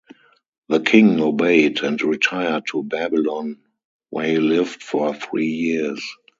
The king obeyed and retired to Babylon, where he lived for three years.